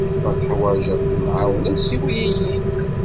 Ma teḥwaǧeḍ lemɛawna, siwel-iyi-n.